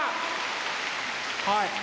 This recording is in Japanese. はい。